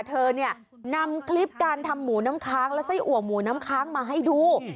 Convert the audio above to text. เธอเนี่ยนำคลิปการทำหมูน้ำค้างและไส้อัวหมูน้ำค้างมาให้ดู